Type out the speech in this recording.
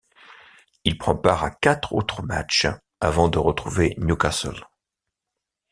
Il prend part à quatre autres matchs avant de retrouver Newcastle.